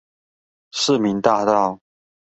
市民大道